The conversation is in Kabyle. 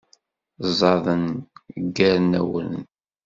Ẓẓaden, ggaren awren.